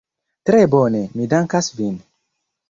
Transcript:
Tre bone, mi dankas vin.